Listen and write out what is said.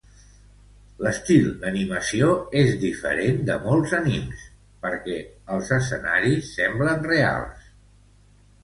L'estil d'animació és diferent de molts animes, perquè els escenaris semblen reals.